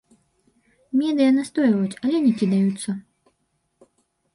Медыя настойваюць, але не кідаюцца.